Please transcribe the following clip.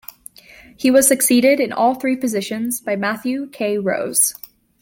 He was succeeded in all three positions by Matthew K. Rose.